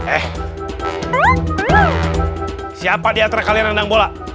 eh siapa dia terkaliandang bola